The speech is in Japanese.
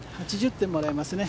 ８０点もらえますね。